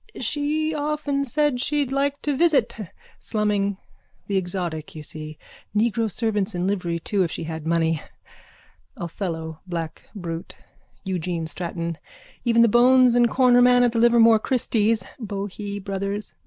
_ She often said she'd like to visit. Slumming. The exotic, you see. Negro servants in livery too if she had money. Othello black brute. Eugene Stratton. Even the bones and cornerman at the Livermore christies. Bohee brothers.